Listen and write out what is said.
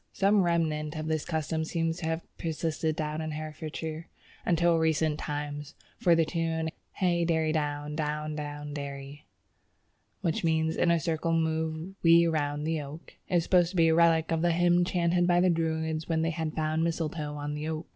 Some remnant of this custom seems to have persisted in Herefordshire until recent times, for the tune "Hey derry down, down down derry" (which means in a circle move we round the oak) is supposed to be a relic of the hymn chanted by the Druids when they had found mistletoe on the oak.